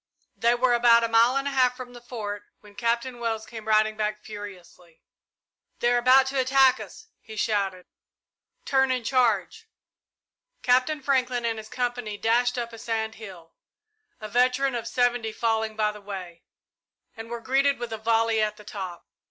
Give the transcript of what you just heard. They were about a mile and a half from the Fort when Captain Wells came riding back furiously. "They are about to attack us," he shouted. "Turn and charge!" Captain Franklin and his company dashed up a sand hill, a veteran of seventy falling by the way, and were greeted with a volley at the top.